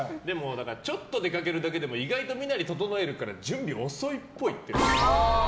ちょっと出かけるだけでも意外と身なり整えるから準備遅いっぽいっていう。